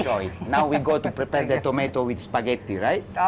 sekarang kita akan membuat tomat dengan spaghetti bukan